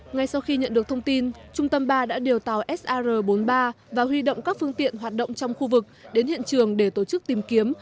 ngay sau khi nhận được thông tin trung tâm ba đã điều tàu sr bốn mươi ba và huy động các phương tiện hoạt động trong khu vực đến hiện trường để tổ chức tìm kiếm